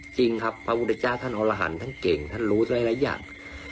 จริงครับพระพุทธเจ้าท่านอรหันต์ท่านเก่งท่านรู้หลายอย่าง